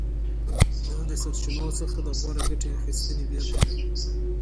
دا د سرچینو څخه د غوره ګټې اخیستنې بېلګه ده.